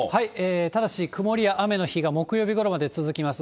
ただし、曇りや雨の日が木曜日ごろまで続きます。